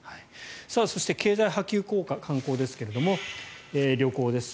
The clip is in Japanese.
そして、経済波及効果観光ですけども旅行です。